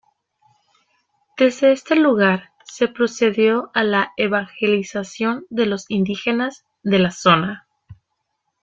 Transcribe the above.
Desde este lugar se procedió a la evangelización de los indígenas de la zona.